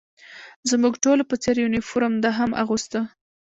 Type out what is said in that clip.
زموږ ټولو په څېر یونیفورم ده هم اغوسته.